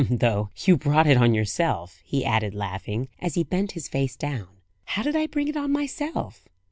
"Though you brought it on yourself," he added, laughing, as he bent his face down. "How did I bring it on myself?"